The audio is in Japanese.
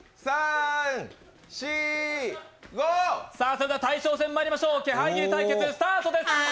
それでは大将戦まいりましょう、気配斬りスタートです。